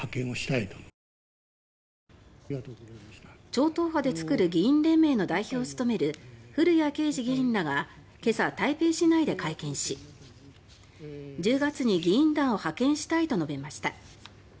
超党派で作る議員連盟の代表を務める古屋圭司議員らが今朝、台北市内で会見し１０月に議員団を派遣したいと述べました。